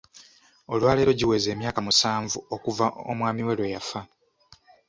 Olwaleero giweze emyaka musanvu okuva omwami we lwe yafa.